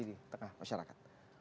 di tengah masyarakat